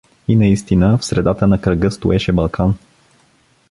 И наистина, в средата на кръга стоеше Балкан.